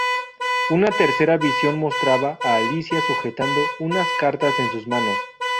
Una tercera versión mostraba a Alicia sujetando unas cartas en sus manos.